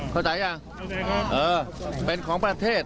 เข้าใจยังเออเป็นของประเทศ